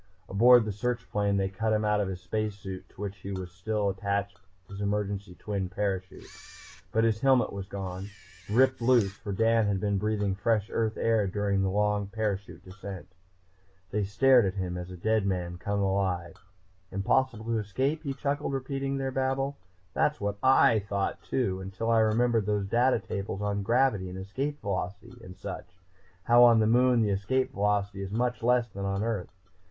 Aboard the search plane they cut him out of the space suit to which was still attached his emergency twin parachute. But his helmet was gone, ripped loose, for Dan had been breathing fresh Earth air during the long parachute descent. They stared at him as at a dead man come alive. "Impossible to escape?" He chuckled, repeating their babble. "That's what I thought too, until I remembered those data tables on gravity and Escape Velocity and such how, on the Moon, the Escape Velocity is much less than on Earth.